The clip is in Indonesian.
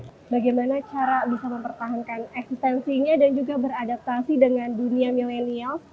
bagaimana cara bisa mempertahankan eksistensinya dan juga beradaptasi dengan dunia milenials